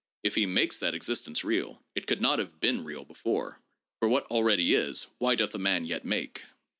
If he makes that existence real, it could not have been real before ; for what already is, why doth a man yet make